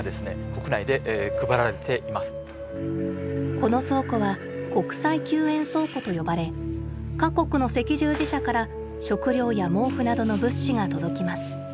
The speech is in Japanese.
この倉庫は「国際救援倉庫」と呼ばれ各国の赤十字社から食料や毛布などの物資が届きます。